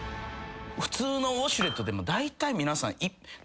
普通のウォシュレットでもだいたい皆さん。